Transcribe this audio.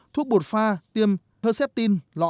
thuốc bột pha tiêm herceptin lọ bốn trăm linh ml